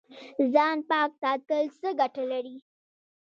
ځان پاک ساتل څه ګټه لري؟